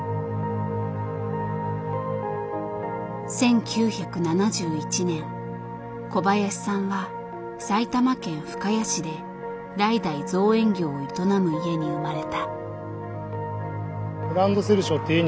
１９７１年小林さんは埼玉県深谷市で代々造園業を営む家に生まれた。